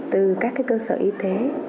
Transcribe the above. từ các cơ sở y tế